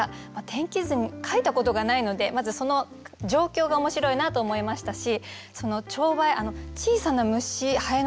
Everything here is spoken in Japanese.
天気図描いたことがないのでまずその状況が面白いなと思いましたしそのチョウバエ